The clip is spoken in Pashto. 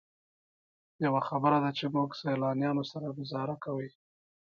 یوه خبره ده چې موږ سیلانیانو سره ګوزاره کوئ.